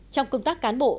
trong công tác cán bộ